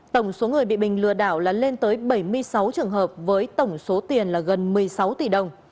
tổng số người bị bình lừa đảo là lên tới bảy mươi sáu trường hợp với tổng số tiền là gần một mươi sáu tỷ đồng